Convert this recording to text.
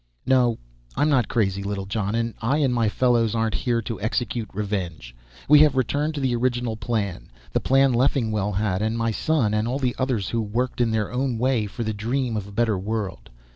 "No, I'm not crazy, Littlejohn. And I and my fellows aren't here to execute revenge. We have returned to the original plan; the plan Leffingwell had, and my son, and all the others who worked in their own way for their dream of a better world.